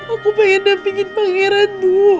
aku pengen nampingin pangeran tuh